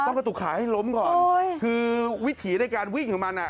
ต้องกระตุกขาให้ล้มก่อนโอ้ยคือวิธีด้วยการวิ่งถึงมันอ่ะ